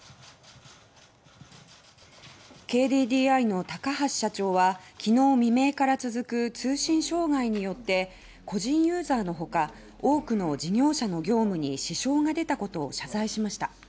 ＫＤＤＩの高橋社長はきのう未明から続く通信障害によって個人ユーザーのほか多くの事業者の業務に支障が出たことを謝罪しました。